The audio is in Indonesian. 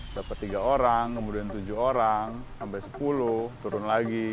dapat tiga orang kemudian tujuh orang sampai sepuluh turun lagi